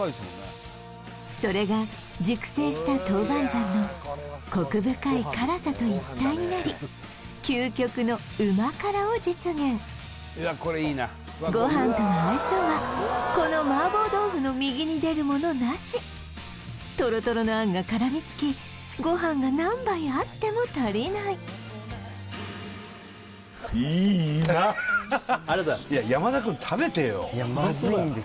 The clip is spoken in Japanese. それが熟成した豆板醤のコク深い辛さと一体になり究極の旨辛を実現ご飯との相性はこの麻婆豆腐の右に出るものなしトロトロのあんがからみつきご飯が何杯あっても足りないいいなありがとうございますいやまずいんです